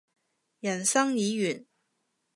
人生已完